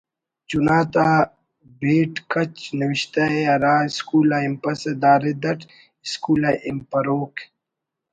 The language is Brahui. چنا تا بیٹ کچ نوشتہء ِہرا اسکول آ ہنپسہ دا رد اٹ اسکول آ ہنپروک